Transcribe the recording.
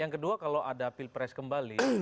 yang kedua kalau ada pilpres kembali